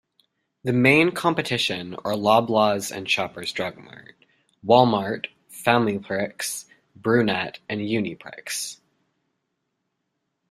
The main competition are Loblaws and Shoppers Drug Mart, Wal-Mart, Familiprix, Brunet and Uniprix.